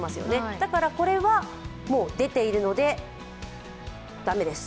だからこれはもう出ているので駄目です。